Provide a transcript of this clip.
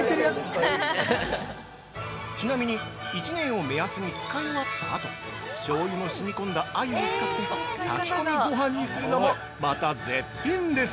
◆ちなみに、１年を目安に使い終わったあとしょうゆのしみ込んだアユを使って炊き込みごはんにするのもまた絶品です！